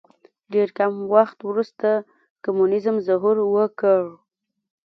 ډېر کم وخت وروسته کمونیزم ظهور وکړ.